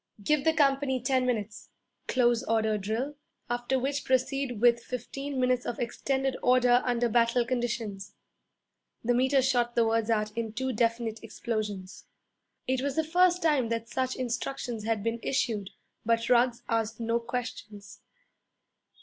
'Give the company ten minutes' close order drill, after which proceed with fifteen minutes of extended order under battle conditions.' The Meter shot the words out in two definite explosions. It was the first time that such instructions had been issued, but Ruggs asked no questions.